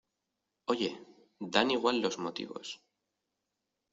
oye, dan igual los motivos